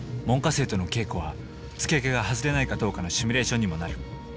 門下生との稽古は付け毛が外れないかどうかのシミュレーションにもなる。